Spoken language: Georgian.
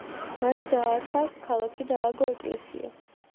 მანვე დააარსა აქ ქალაქი და ააგო ეკლესია.